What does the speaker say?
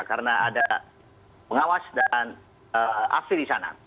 karena ada pengawas dan afi di sana